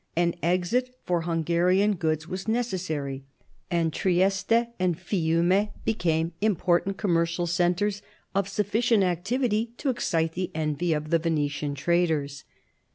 An exit for Hungarian goods was necessary, and Trieste and Fiume became 76 MARIA THERESA chap, iv important commercial centres of sufficient activity to excite the envy of the Venetian traders.